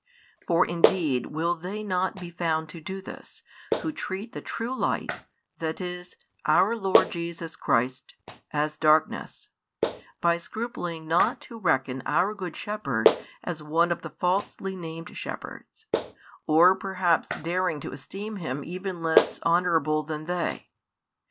For indeed will they not be found to do this, who treat the True Light, that is, Our Lord Jesus Christ, as darkness, by scrupling not to reckon our Good Shepherd as one of the falsely named |75 shepherds, or perhaps daring to esteem Him even less honourable than they?